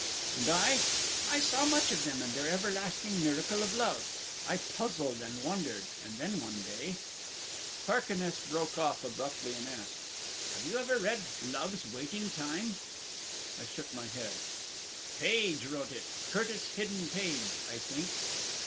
"And I? I saw much of them and their everlasting miracle of Love. I puzzled and wondered, and then one day " Carquinez broke off abruptly and asked, "Have you ever read, 'Love's Waiting Time'?" I shook my head. "Page wrote it Curtis Hidden Page, I think.